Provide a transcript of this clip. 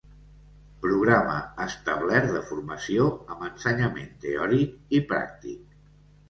Programa establert de formació amb ensenyament teòric i pràctic.